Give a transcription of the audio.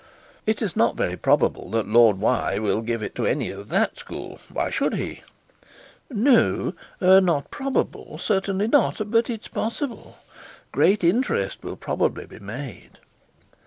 'It is not very probable that Lord will give it to any of that school; why should he?' 'No. Not probable; certainly not; but it's possible. Great interest will probably be made.